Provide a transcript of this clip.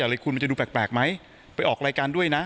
อย่าเลยคุณมันจะดูแปลกแปลกไหมไปออกรายการด้วยน่ะ